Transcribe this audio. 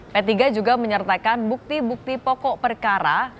p tiga juga menyertakan bukti bukti pokok perkara